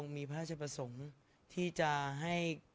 สงฆาตเจริญสงฆาตเจริญ